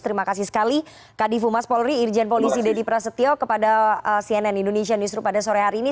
terima kasih sekali kak d fumas polri irjen polisi dedy prasetyo kepada cnn indonesia newsroom pada sore hari ini